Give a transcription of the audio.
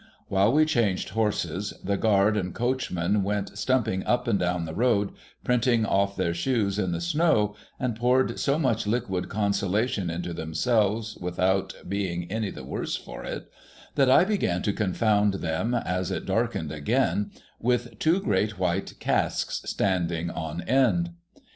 While we changed horses, the guard and coachman went stumping up and down the road, printing off their shoes in the snow, and poured so much liquid consolation into themselves without being any the worse for it, that I began to con found them, as it darkened again, with two great white casks 90 THE HOLLY TREE standing on end.